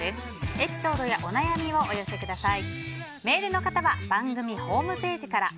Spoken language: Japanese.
エピソードやお悩みをお寄せください。